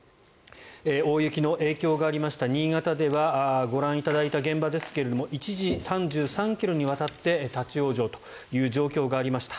大雪の影響がありました新潟ではご覧いただいた現場ですが一時、３３ｋｍにわたって立ち往生という状況がありました。